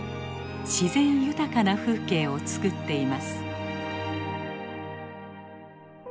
自然豊かな風景をつくっています。